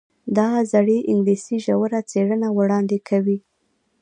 دا د زړې انګلیسي ژوره څیړنه وړاندې کوي.